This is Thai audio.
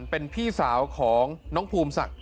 เป็นพี่สาวของน้องภูมิศักดิ